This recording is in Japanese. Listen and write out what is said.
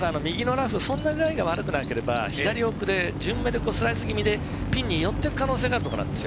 そんなにラインが悪くなければ、左奥で順目でスライス気味でピンに寄っていく可能性があるところです。